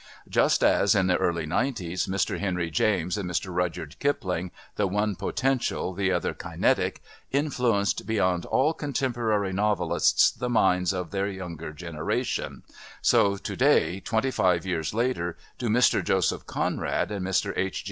Just as, in the early nineties, Mr Henry James and Mr Rudyard Kipling, the one potential, the other kinetic, influenced, beyond all contemporary novelists, the minds of their younger generation, so to day, twenty five years later, do Mr Joseph Conrad and Mr H.